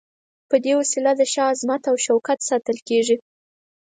په دې وسیله د شاه عظمت او شوکت ساتل کیږي.